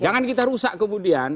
jangan kita rusak kemudian